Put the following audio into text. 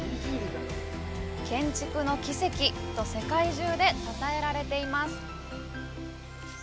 「建築の奇跡」と世界中でたたえられています。